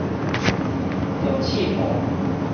著凊瘼